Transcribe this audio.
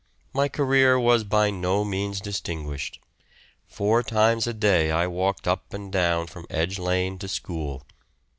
My career was by no means distinguished; four times a day I walked up and down from Edge Lane to school.